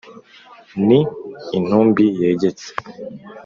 ni intumbi yegetse